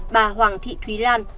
bà hoàng thị thúy lan